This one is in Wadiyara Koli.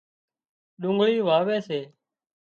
ڏوڳۯي واوي سي